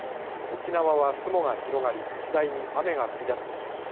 沖縄は雲が広がり次第に雨が降り出すでしょう。